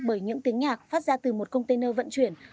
bởi những tiếng nhạc phát ra từ một container vận chuyển